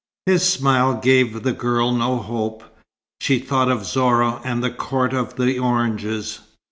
His smile gave the girl no hope. She thought of Zorah and the court of the oranges.